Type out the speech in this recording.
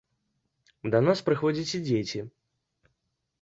Да нас прыходзяць і дзеці.